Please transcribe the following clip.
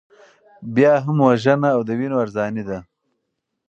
بیا هم وژنه او د وینو ارزاني ده.